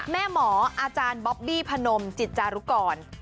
หมออาจารย์บ๊อบบี้พนมจิตจารุกร